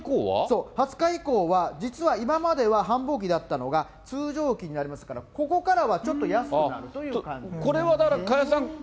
そう、２０日以降は実は今までは繁忙期だったのが、通常期になりますから、ここからはちょっと安くなるという感じに。